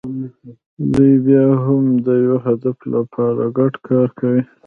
دوی بیا هم د یوه هدف لپاره ګډ کار کوي.